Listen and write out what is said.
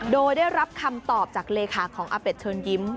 โดยได้รับคำตอบจากเลเชิญยิ้ม